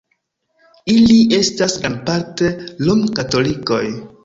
Ili estas grandparte rom-katolikoj.